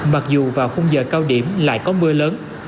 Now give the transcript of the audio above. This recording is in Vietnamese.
mặc dù vào khung giờ cao điểm lại có mưa lớn